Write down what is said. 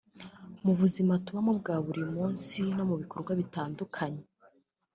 Mu buzima tubamo bwa buri munsi no mu bikorwa bitandukanye